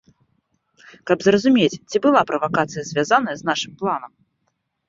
Каб зразумець, ці была правакацыя звязаная з нашым планам.